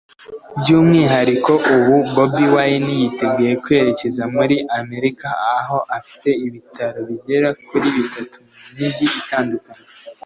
By’umwihariko ubu Bobi Wine yiteguye kwerekeza muri Amerika aho afite ibitaramo bigera kuri bitatu mu Mijyi itandukanye